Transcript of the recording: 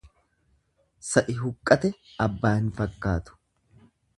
Sa'i huqqate abbaa hin fakkaatu.